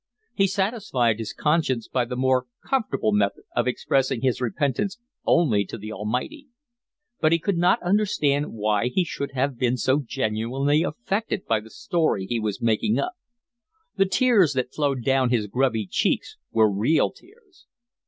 He satisfied his conscience by the more comfortable method of expressing his repentance only to the Almighty. But he could not understand why he should have been so genuinely affected by the story he was making up. The tears that flowed down his grubby cheeks were real tears.